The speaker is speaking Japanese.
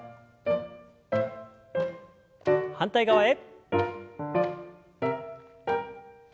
反対側へ。